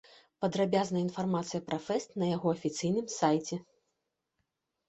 Падрабязная інфармацыя пра фэст на яго афіцыйным сайце.